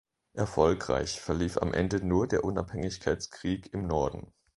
Erfolgreich verlief am Ende nur der Unabhängigkeitskrieg im Norden.